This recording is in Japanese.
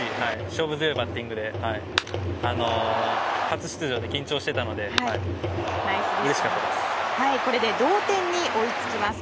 勝負強いバッティングで初出場で緊張してたのでうれしかったです。